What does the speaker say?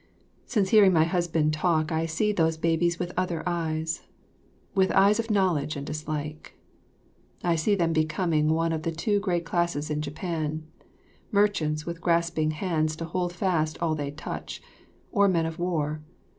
Since hearing my husband talk I see those babies with other eyes, with eyes of knowledge and dislike. I see them becoming one of the two great classes in Japan merchants with grasping hands to hold fast all they touch, or men of war.